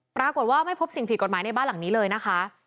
ปรากฏว่าไม่พบสิ่งผิดกฎหมายในบ้านหลังนี้เลยนะคะ